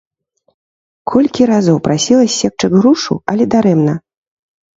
Колькі разоў прасіла ссекчы грушу, але дарэмна.